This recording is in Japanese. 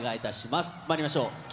まいりましょう。